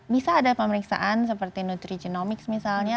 bisa ada pemeriksaan seperti nutrigenomics misalnya